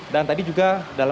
dan tadi juga